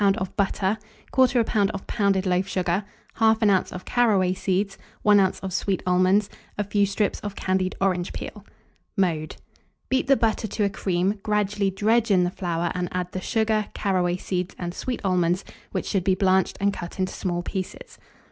of butter, 1/4 lb. of pounded loaf sugar, 1/2 oz. of caraway seeds, 1 oz. of sweet almonds, a few strips of candied orange peel. [Illustration: SHORTBREAD.] Mode. Beat the butter to a cream, gradually dredge in the flour, and add the sugar, caraway seeds, and sweet almonds, which should be blanched and cut into small pieces.